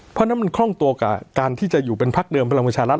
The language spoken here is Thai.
เพราะฉะนั้นมันคล่องตัวกับการที่จะอยู่เป็นพักเดิมพลังประชารัฐ